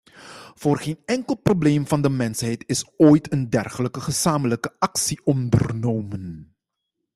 Voor geen enkel probleem van de mensheid is ooit een dergelijke gezamenlijke actie ondernomen.